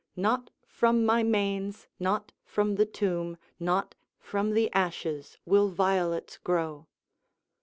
Not from my manes, not from the tomb, not from the ashes will violets grow."